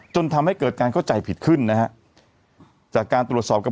จนทำให้เกิดการเข้าใจผิดขึ้นนะฮะจากการตรวจสอบกับ